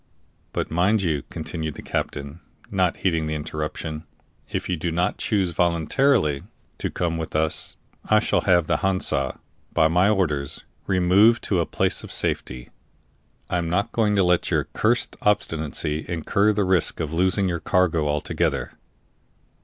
"But, mind you," continued the captain, not heeding the interruption, "if you do not choose voluntarily to come with us, I shall have the Hansa, by my orders, removed to a place of safety. I am not going to let your cursed obstinacy incur the risk of losing your cargo altogether."